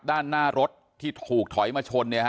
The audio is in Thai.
ด้านหน้ารถที่ถูกถอยมาชน